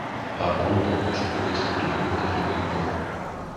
Acum totuși, trebuie să privim către viitor.